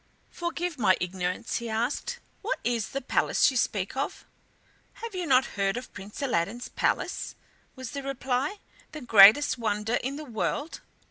"Forgive my ignorance," he asked, "what is the palace you speak of?" "Have you not heard of Prince Aladdin's palace," was the reply, "the greatest wonder in the world?